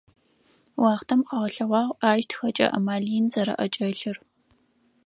Уахътэм къыгъэлъэгъуагъ ащ тхэкӏэ амал ин зэрэӏэкӏэлъыр.